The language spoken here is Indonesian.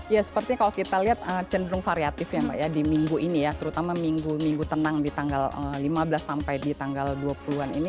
ya sepertinya kalau kita lihat cenderung variatif ya mbak ya di minggu ini ya terutama minggu minggu tenang di tanggal lima belas sampai di tanggal dua puluh an ini